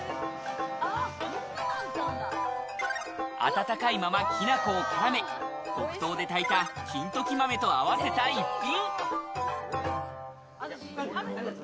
温かいまま、きなこを絡め、黒糖で炊いた金時豆と合わせた一品。